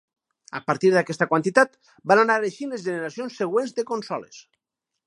A partir d'aquesta quantitat, van anar eixint les generacions següents de consoles.